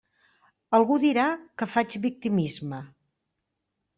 Algú dirà que faig victimisme.